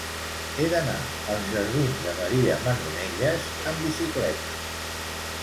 He d'anar als jardins de Maria Manonelles amb bicicleta.